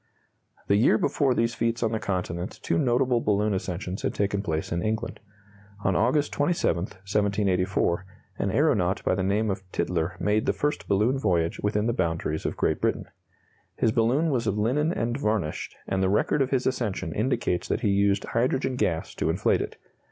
The year before these feats on the Continent two notable balloon ascensions had taken place in England. On August 27, 1784, an aeronaut by the name of Tytler made the first balloon voyage within the boundaries of Great Britain. His balloon was of linen and varnished, and the record of his ascension indicates that he used hydrogen gas to inflate it.